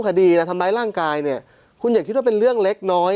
คดีนะทำร้ายร่างกายเนี่ยคุณอย่าคิดว่าเป็นเรื่องเล็กน้อย